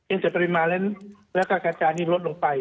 เองแต่ปริมาณและการการจานลดลงไป